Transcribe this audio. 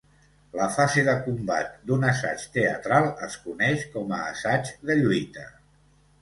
La fase de combat d'un assaig teatral es coneix com a "assaig de lluita".